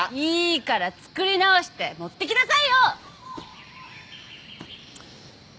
いいから作り直して持ってきなさいよ！